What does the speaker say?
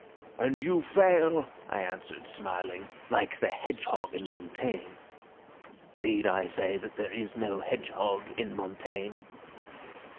'And you fail,' I answered, smiling, 'like the hedgehog in Montaigne.' Need I say that there is no hedgehog in Montaigne?